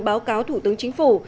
báo cáo thủ tướng chính phủ